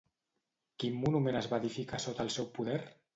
Quin monument es va edificar sota el seu poder?